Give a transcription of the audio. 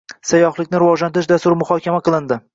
Sayyohlikni rivojlantirish dasturi muhokama qilindi